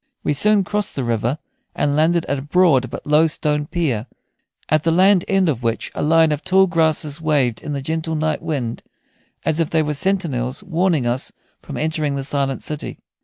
We soon crossed the river, and landed at a broad but low stone pier, at the land end of which a line of tall grasses waved in the gentle night wind as if they were sentinels warning us from entering the silent city.